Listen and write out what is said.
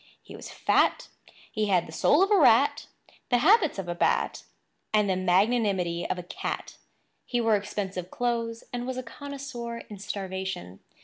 He was fat; he had the soul of a rat, the habits of a bat, and the magnanimity of a cat ... He wore expensive clothes; and was a connoisseur in starvation.